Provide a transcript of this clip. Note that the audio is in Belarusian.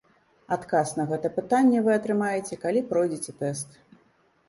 Адказ на гэта пытанне вы атрымаеце, калі пройдзеце тэст.